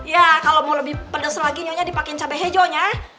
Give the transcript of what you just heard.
ya kalau mau lebih pedes lagi nyonya dipakein cabai hijau ya